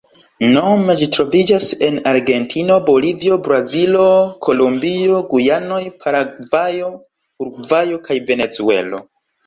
Nome ĝi troviĝas en Argentino, Bolivio, Brazilo, Kolombio, Gujanoj, Paragvajo, Urugvajo, kaj Venezuelo.